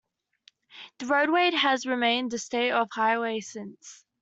The roadway has remained a state highway since.